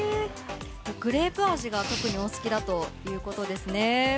グレープ味が特にお好きだということですね。